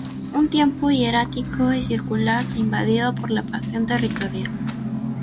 Un tiempo hierático y circular invadido por la pasión territorial.